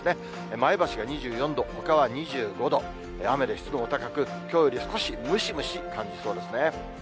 前橋が２４度、ほかは２５度、雨で湿度も高く、きょうより少しムシムシ感じそうですね。